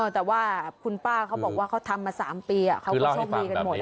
แต่ว่าคุณป้าเขาบอกว่าเขาทำมา๓ปีเขาก็โชคดีกันหมด